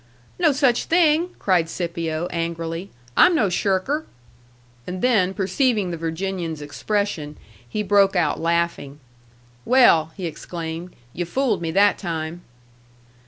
"No such thing!" cried Scipio, angrily. "I'm no shirker." And then, perceiving the Virginian's expression, he broke out laughing. "Well," he exclaimed, "yu' fooled me that time."